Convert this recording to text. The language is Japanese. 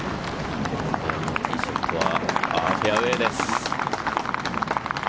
ティーショットはフェアウエーです。